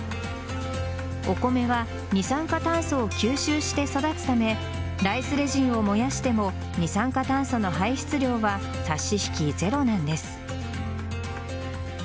お米は二酸化炭素を吸収して育つためライスレジンを燃やしても二酸化炭素の排出量は差し引きゼロなんです。